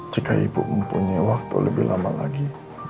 jika ibu mempunyai waktu lebih lama lagi